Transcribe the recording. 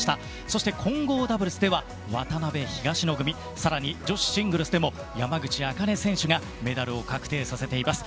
そして混合ダブルスでは渡辺、東野組更に女子シングルスでも山口茜選手がメダルを確定させています。